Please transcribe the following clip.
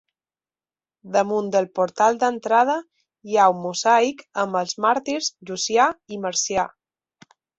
Damunt del portal d'entrada hi ha un mosaic amb els màrtirs Llucià i Marcià.